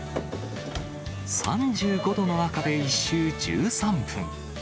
３５度の中で１周１３分。